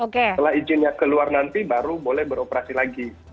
setelah izinnya keluar nanti baru boleh beroperasi lagi